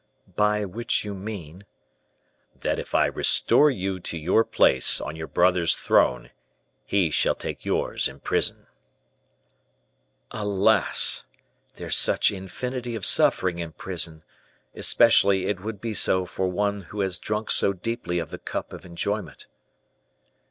"By which you mean " "That if I restore you to your place on your brother's throne, he shall take yours in prison." "Alas! there's such infinity of suffering in prison, especially it would be so for one who has drunk so deeply of the cup of enjoyment."